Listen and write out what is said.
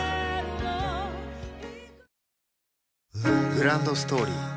グランドストーリー